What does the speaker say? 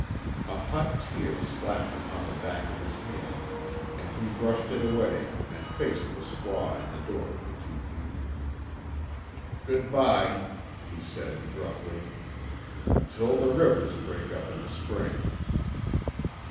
A hot tear splashed upon the back of his hand, and he brushed it away and faced the squaw in the door of the tepee: "Goodbye," he said, gruffly, "Until the rivers break up in the spring."